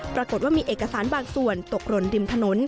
ปรากฏว่ามีเอกสารบางส่วนตกหล่นริมถนน